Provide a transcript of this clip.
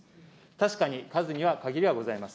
確かに数には限りがございます。